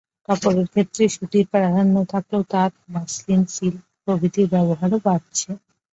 কাপড়ের ক্ষেত্রে সুতির প্রাধান্য থাকলেও তাঁত, মসলিন, সিল্ক প্রভৃতির ব্যবহারও বাড়ছে।